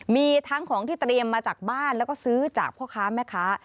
มีทั้งของที่เตรียมมาจากบ้านแล้วก็ซื้อจากพ่อค้าแม่ค้า